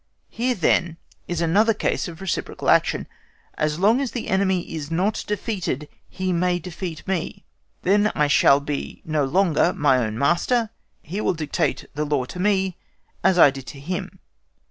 Here, then, is another case of reciprocal action. As long as the enemy is not defeated, he may defeat me; then I shall be no longer my own master; he will dictate the law to me as I did to him.